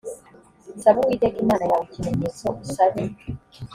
saba uwiteka imana yawe ikimenyetso usabe